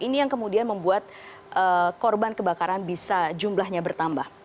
ini yang kemudian membuat korban kebakaran bisa jumlahnya bertambah